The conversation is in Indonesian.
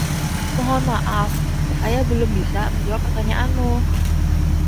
Mohon maaf, saya belum bisa menjawab pertanyaanmu.